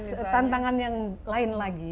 tapi tantangan yang lain lagi